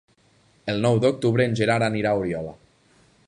El nou d'octubre en Gerard anirà a Oriola.